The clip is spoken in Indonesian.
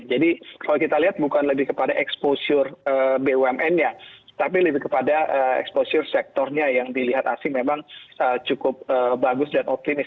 jadi kalau kita lihat bukan lebih kepada exposure bumn nya tapi lebih kepada exposure sektornya yang dilihat asing memang cukup bagus dan optimis